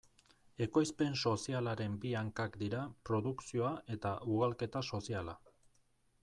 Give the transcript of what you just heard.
Ekoizpen sozialaren bi hankak dira produkzioa eta ugalketa soziala.